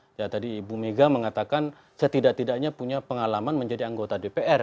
tadi ibu megawati soekarnoputri mengatakan setidak tidaknya punya pengalaman menjadi anggota dpr